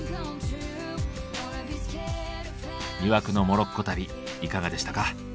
魅惑のモロッコ旅いかがでしたか。